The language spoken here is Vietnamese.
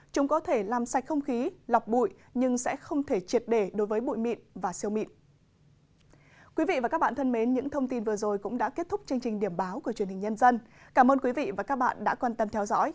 chúng có thể làm sạch không khí lọc bụi nhưng sẽ không thể triệt để đối với bụi mịn và siêu mịn